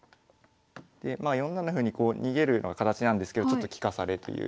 まあ４七歩に逃げるような形なんですけどちょっと利かされという。